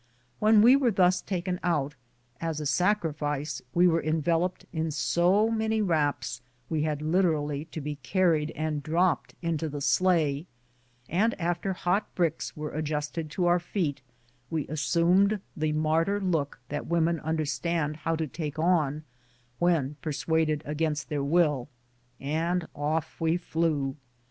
When we were thus taken out, as a sacrifice we were enveloped in so many wraps we had literally to be carried and dropped into the sleigh, and after hot bricks were adjusted to our feet, we assumed the martyr look that women understand how to take on when persuaded against their will, and off we flew.